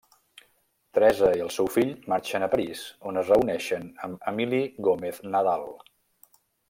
Teresa i el seu fill marxen a París on es reuneixen amb Emili Gómez Nadal.